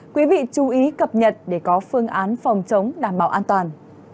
quý vị chú ý cập nhật để có phương án phòng chống đảm bảo an toàn